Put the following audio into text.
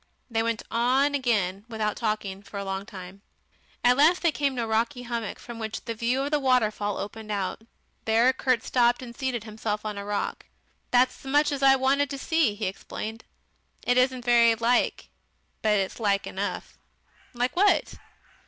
They went on again, without talking, for a long time. At last they came to a rocky hummock, from which the view of the waterfall opened out. There Kurt stopped and seated himself on a rock. "That's as much as I wanted to see," he explained. "It isn't very like, but it's like enough." "Like what?"